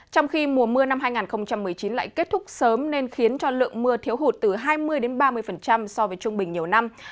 trong khi mùa mưa năm hai nghìn một mươi chín lại kết thúc sớm nên khiến cho lượng mưa thiếu hụt từ hai mươi ba mươi so với trung bình nhiều năm